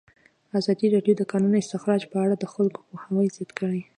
ازادي راډیو د د کانونو استخراج په اړه د خلکو پوهاوی زیات کړی.